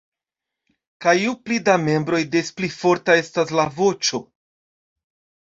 Kaj ju pli da membroj des pli forta estas la voĉo.